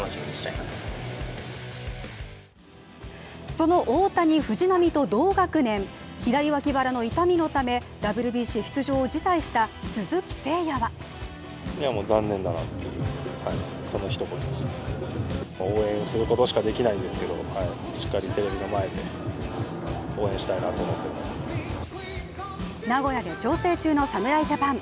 その大谷、藤浪と同学年左脇腹の痛みのためＷＢＣ出場を辞退した鈴木誠也は名古屋で調整中の侍ジャパン。